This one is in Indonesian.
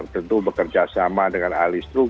tentu bekerja sama dengan alis itu